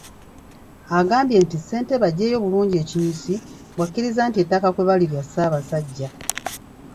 Agambye nti ssentebe aggyeeyo bulungi ekinyusi bw’akkiriza nti ettaka kwe bali lya Ssaabassajja.